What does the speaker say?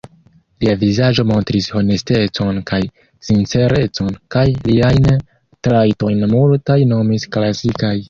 Lia vizaĝo montris honestecon kaj sincerecon; kaj liajn trajtojn multaj nomis klasikaj.